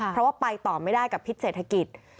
เพราะว่าไปต่อไม่ได้กับพิษเศรษฐกิจ